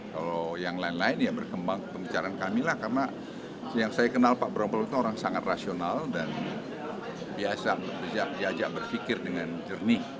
kalau yang lain lain ya berkembang pembicaraan kami lah karena yang saya kenal pak prabowo itu orang sangat rasional dan biasa diajak berpikir dengan jernih